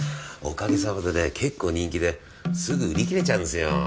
おかげさまでね結構人気ですぐ売り切れちゃうんですよ。